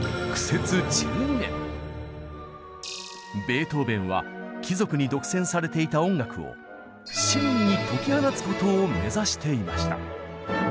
ベートーベンは貴族に独占されていた音楽を市民に解き放つことを目指していました。